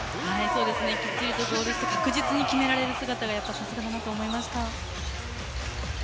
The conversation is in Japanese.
きっちりと確実に決められる姿がさすがだなと思いました。